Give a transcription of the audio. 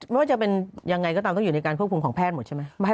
ไม่ว่าจะเป็นยังไงก็ตามต้องอยู่ในการควบคุมของแพทย์หมดใช่ไหม